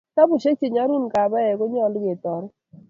tabushek chenyorun kabaiek konyalun ketaret